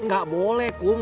gak boleh kum